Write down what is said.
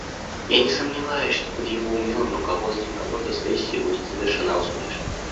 Я не сомневаюсь, что под его умелым руководством работа сессии будет завершена успешно.